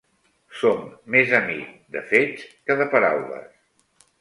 Som més amic de fets que de paraules.